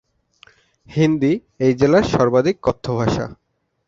হিন্দি এই জেলার সর্বাধিক কথ্য ভাষা।